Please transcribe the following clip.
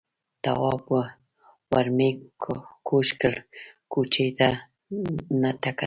تواب ور مېږ کوږ کړ، کوچي ده ته کتل.